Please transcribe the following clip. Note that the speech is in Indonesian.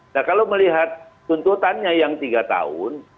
nah kalau melihat tuntutannya yang tiga tahun